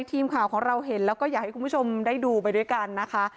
ทีมข่าวของเราเห็นแล้วก็อยากให้คุณผู้ชมได้ดูไปด้วยกันนะคะ